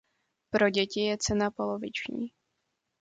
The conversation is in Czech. Pro děti je cena poloviční.